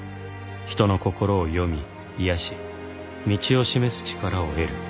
「人の心を読み癒し道を示す力を得る」